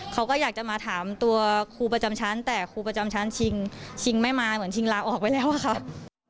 เขาก็อยากจะมาถามตัวครูประจำชั้นแต่ครูประจำชั้นชิงชิงไม่มาเหมือนชิงลาออกไปแล้วอะค่ะ